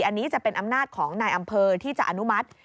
อันนี้จะเป็นอำนาจของนายอำเภอที่จะอนุมัติ